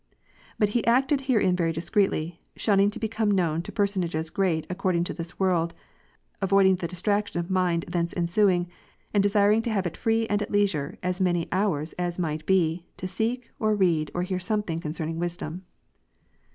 But he acted herein very discreetly, shunning to become known to personages great according to this world, avoiding the dis traction of mind thence ensuing, and desiring to have it free and at leisure, as many hours as might be, to seek, or read, or hear something concerning wisdom.